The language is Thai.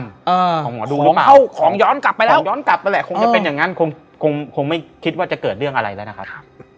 ของหมอดูเข้าของย้อนกลับไปแล้วย้อนกลับไปแหละคงจะเป็นอย่างนั้นคงไม่คิดว่าจะเกิดเรื่องอะไรแล้วนะครับ